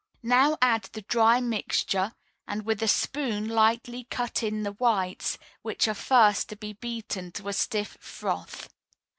Now add the dry mixture, and with a spoon lightly cut in the whites, which are first to be beaten to a stiff froth.